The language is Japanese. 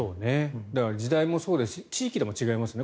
だから時代もそうですし地域でも違いますね。